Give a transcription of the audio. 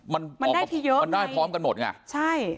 มันมันได้ที่เยอะมันได้พร้อมกันหมดไงใช่